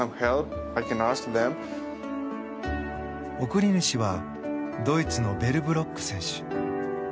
送り主はドイツのベルブロック選手。